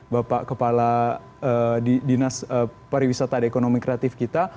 bapak kepala dinas pariwisata dan ekonomi kreatif kita